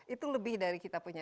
itu lebih dari kita punya